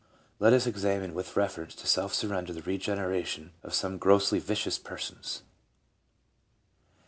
Let us examine, with reference to self surrender, the regen eration of some grossly vicious persons.